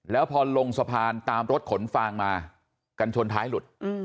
แล้วพอลงสะพานตามรถขนฟางมากันชนท้ายหลุด